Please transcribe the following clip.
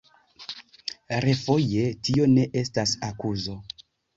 Refoje, tio ne estas akuzo.